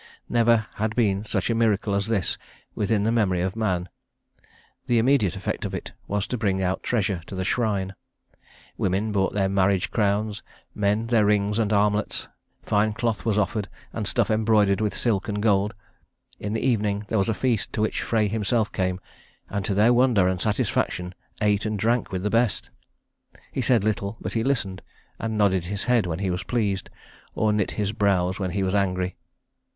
Never had been such a miracle as this within the memory of man. The immediate effect of it was to bring out treasure to the shrine. Women brought their marriage crowns, men their rings and armlets. Fine cloth was offered and stuff embroidered with silk and gold. In the evening there was a feast, to which Frey himself came, and to their wonder and satisfaction ate and drank with the best. He said little; but he listened, and nodded his head when he was pleased, or knit his brows when he was angry.